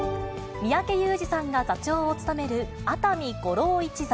三宅裕司さんが座長を務める熱海五郎一座。